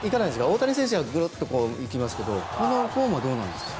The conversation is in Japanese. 大谷選手はぐっと行きますけどこのフォームはどうなんですか？